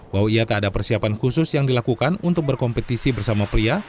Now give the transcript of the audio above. bahwa ia tak ada persiapan khusus yang dilakukan untuk berkompetisi bersama pria